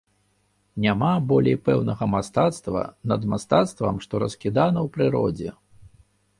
Няма болей пэўнага мастацтва над мастацтвам, што раскідана ў прыродзе.